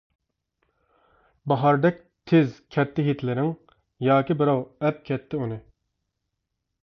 باھاردەك تىز كەتتى ھىدلىرىڭ ياكى بىراۋ ئەپ كەتتى ئۇنى.